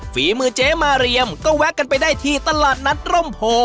ฝีมือเจ๊มาเรียมก็แวะกันไปได้ที่ตลาดนัดร่มโพ